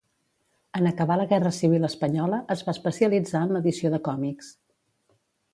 En acabar la guerra civil Espanyola, es va especialitzar en l'edició de còmics.